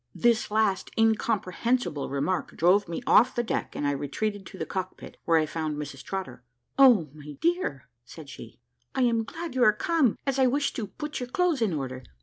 This last incomprehensible remark drove me off the deck, and I retreated to the cock pit, where I found Mrs Trotter. "O my dear!" said she, "I am glad you are come, as I wish to put your clothes in order.